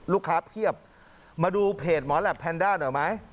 เพียบมาดูเพจหมอแหลปแพนด้าหน่อยไหม